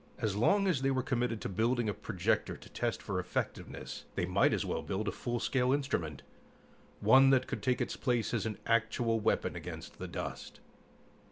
As long as they were committed to building a projector to test for effectiveness, they might as well build a full scale instrument, one that could take its place as an actual weapon against the dust.